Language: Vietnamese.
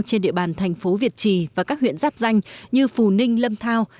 trên địa bàn thành phố việt trì và các huyện giáp danh như phù ninh lâm thao